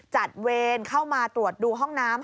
เวรเข้ามาตรวจดูห้องน้ำ